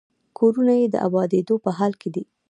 کورونه یې د ابادېدو په حال کې دي.